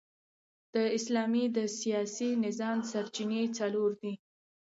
د اسلام د سیاسي نظام سرچینې څلور دي.